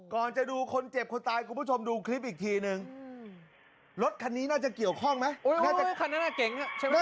ก่อนจะดูคนเจ็บคนตายคุณผู้ชมดูคลิปอีกทีนึงรถคันนี้น่าจะเกี่ยวข้องไหม